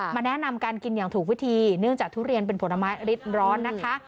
แนะนำการกินอย่างถูกวิธีเนื่องจากทุเรียนเป็นผลไม้ริดร้อนนะคะ